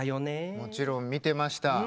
もちろん見てました。